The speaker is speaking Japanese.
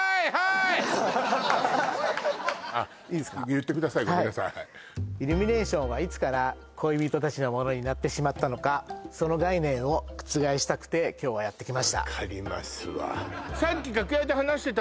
言ってくださいごめんなさいイルミネーションはいつから恋人たちのものになってしまったのかその概念を覆したくて今日はやってきました